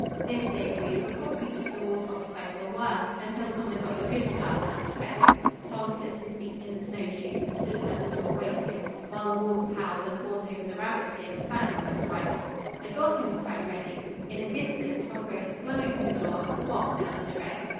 This, they agreed, would probably keep the wolves occupied for awhile, until Tom had got a good start down the trail. Tom slipped his feet in the snowshoes and stood by the door waiting. While the wolves howled and fought over the rabbit skin, bang went the rifle. "I got him!" cried Reddy. In an instant Tom Gray had flung open the door and was off down the trail.